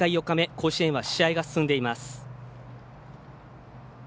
甲子園は試合が進んでいます。